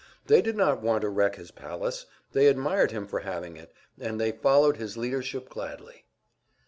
They did not want to wreck his palace; they admired him for having it, and they followed his leadership gladly.